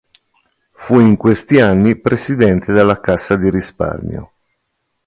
Fu in questi anni presidente della Cassa di risparmio.